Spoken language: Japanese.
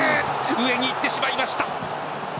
上にいってしまいました。